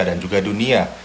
dan juga dunia